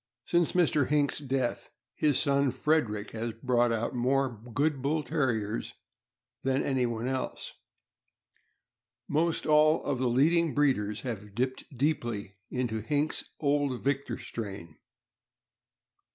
Since Mr. Hinks' death, his son Frederick has brought out more good Bull Terriers than anyone else. Most all of the leading breeders have dipped deeply into Hinks' Old Victor strain.